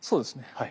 はい。